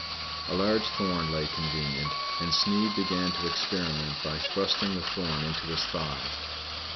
A large thorn lay convenient, and Sneid began to experiment by thrwbing the thorn into his thigh.